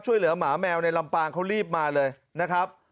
ช่วยเหลือหมาแมวในลำปางเขารีบมาเลยนะครับ